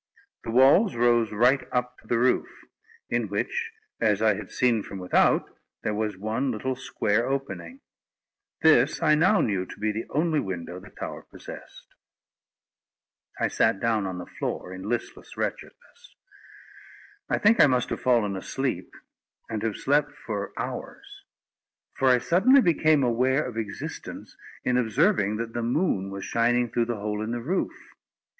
The walls rose right up to the roof; in which, as I had seen from without, there was one little square opening. This I now knew to be the only window the tower possessed. I sat down on the floor, in listless wretchedness. I think I must have fallen asleep, and have slept for hours; for I suddenly became aware of existence, in observing that the moon was shining through the hole in the roof.